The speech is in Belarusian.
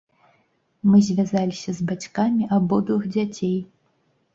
Мы звязаліся з бацькамі абодвух дзяцей.